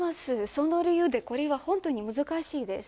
その理由で、これは本当に難しいです。